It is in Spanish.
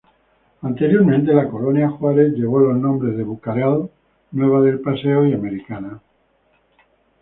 Anteriormente la Colonia Juárez llevó los nombres de Bucareli, Nueva del Paseo y Americana.